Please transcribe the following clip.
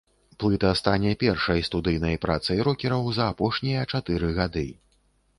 Плыта стане першай студыйнай працай рокераў за апошнія чатыры гады.